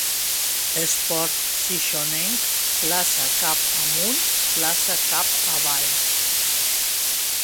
Esport xixonenc: plaça cap amunt, plaça cap avall.